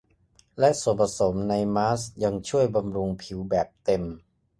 และส่วนผสมในมาสก์ยังช่วยบำรุงผิวแบบเต็ม